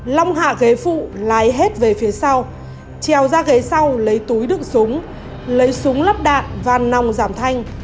long hạ ghế phụ lái hết về phía sau trèo ra ghế sau lấy túi đựng súng lấy súng lắp đạn và nòng giảm thanh